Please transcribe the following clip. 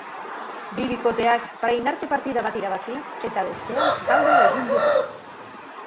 Bi bikoteak prainarte partida bat irabazi eta bestea galdu egin dute.